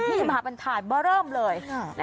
นี่จะมาเป็นถาดบ้อเริ่มเลย